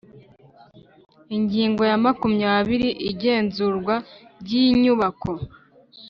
Ingingo ya makumyabiri Igenzurwa ry inyubako